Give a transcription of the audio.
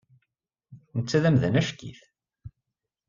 Netta d amdan acek-it.